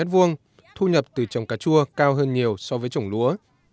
thu nhập từ trồng cà chua cao hơn nhiều so với trồng lúa